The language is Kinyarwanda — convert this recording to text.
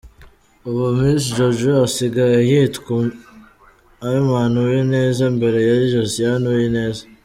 Ubu Miss Jojo asigaye yitwa Iman Uwineza mbere yari Josiane Uwineza.